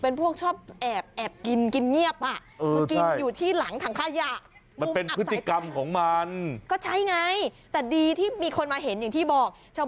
แล้วคุณดูนะดูมางูไม่ได้เล็กเลยอะ